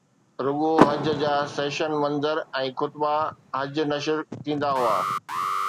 رڳو حج جا سِيئن منظر ۽ خطبہ حج نشر ٿيندا هئا